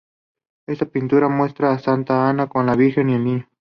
Esta pintura muestra a Santa Ana con la Virgen y el Niño.